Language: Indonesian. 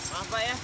maaf pak ya